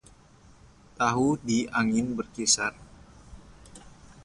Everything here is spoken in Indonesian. Tahu di angin berkisar